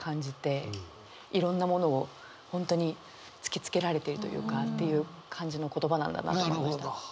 いろんなものを本当に突き付けられているというかという感じの言葉なんだなと思いました。